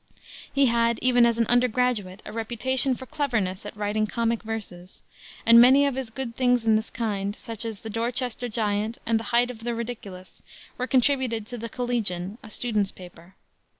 He had, even as an undergraduate, a reputation for cleverness at writing comic verses, and many of his good things in this kind, such as the Dorchester Giant and the Height of the Ridiculous, were contributed to the Collegian, a students' paper.